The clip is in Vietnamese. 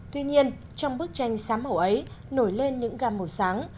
tuy nhiên trong bức tranh sáng màu ấy nổi lên những gam màu sáng